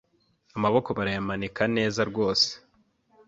amaboko barayamanika neza rwose